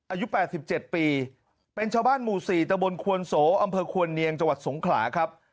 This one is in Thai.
อายุ๘๗ปีเป็นชาวบ้านหมู่๔ตะบนควนโสอำเภอควรเนียงจังหวัดสงขลาครับ